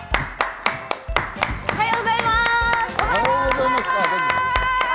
おはようございます！